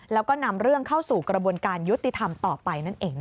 แล้วก็นำเรื่องเข้าสู่กระบวนการยุติธรรมต่อไปนั่นเอง